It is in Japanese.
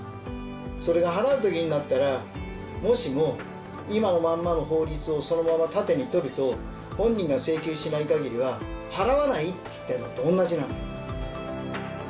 それが払う時になったらもしも今のまんまの法律をそのまま盾にとると本人が請求しないかぎりは「払わない」って言ってるのと同じなの。